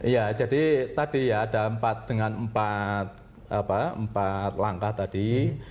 ya jadi tadi ya ada empat dengan empat langkah tadi